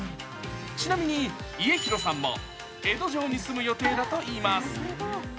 ちなみに家広さんも江戸城に住む予定だといいます。